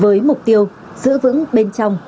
với mục tiêu giữ vững bên trong